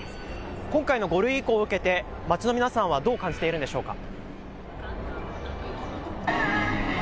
今回の５類移行を受けて街の皆さんはどう感じているんでしょうか。